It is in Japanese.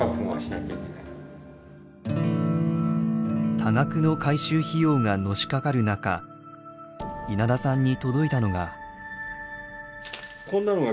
多額の改修費用がのしかかる中稲田さんに届いたのが。